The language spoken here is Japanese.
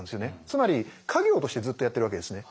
つまり家業としてずっとやってるわけですね。